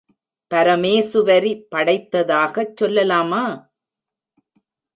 பரமேசுவரி படைத்ததாகச் சொல்லலாமா?